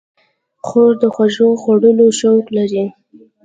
خور د خوږو خوړلو شوق لري.